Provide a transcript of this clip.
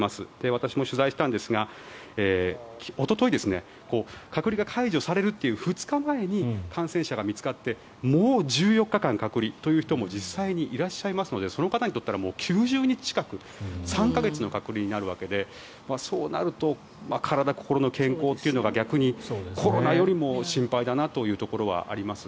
私も取材したんですが、おととい隔離が解除されるという２日前に感染者が見つかってもう１４日間隔離という方も実際にいらっしゃいますのでその方にとってはもう９０日近く３か月の隔離になるわけでそうなると体、心の健康というのが逆にコロナよりも心配だなというところはあります。